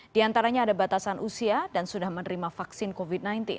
di antaranya ada batasan usia dan sudah menerima vaksin covid sembilan belas